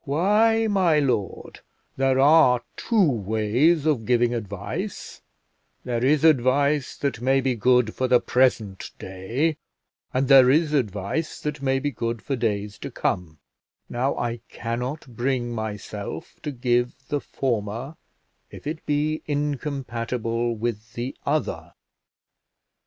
"Why, my lord, there are two ways of giving advice: there is advice that may be good for the present day; and there is advice that may be good for days to come: now I cannot bring myself to give the former, if it be incompatible with the other."